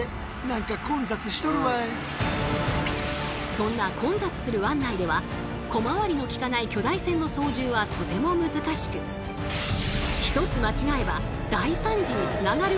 そんな混雑する湾内では小回りのきかない巨大船の操縦はとても難しく一つ間違えば大惨事につながるおそれも。